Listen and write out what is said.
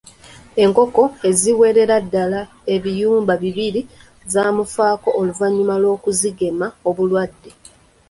Enkoko eziwerera ddala ebiyumba bibiri zaamufaako oluvannyuma lw'okuzigema obulwadde.